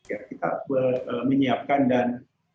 ya kita menyiapkan dan